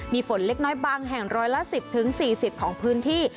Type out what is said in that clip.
มีฝนเล็กน้อยบางแห่งร้อยละ๑๐๔๐ของพื้นที่